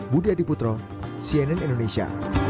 budi adiputro cnn indonesia